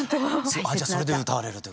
あっじゃあそれで歌われるという。